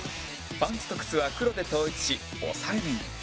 パンツと靴は黒で統一し抑えめに